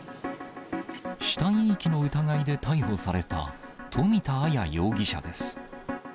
死体遺棄の疑いで逮捕された富田あや容疑者です。